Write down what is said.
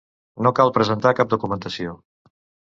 No cal presentar cap documentació.